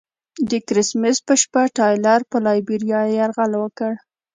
د کرسمس په شپه ټایلر پر لایبیریا یرغل وکړ.